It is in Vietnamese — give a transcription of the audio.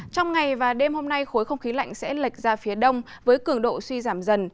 trong ngày và đêm hôm nay khối không khí lạnh sẽ lệch ra phía đông với cường độ suy giảm dần